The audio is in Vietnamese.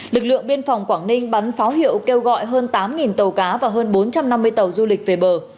lực lượng biên phòng quảng ninh bắn pháo hiệu kêu gọi hơn tám tàu cá và hơn bốn trăm năm mươi tàu du lịch về bờ